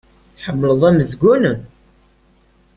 Tḥemmleḍ amezgun?